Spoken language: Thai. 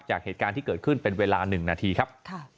จากเหตุการณ์ที่เกิดขึ้นเป็นเวลา๑นาทีครับ